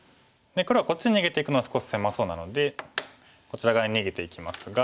黒はこっちに逃げていくのは少し狭そうなのでこちら側に逃げていきますが。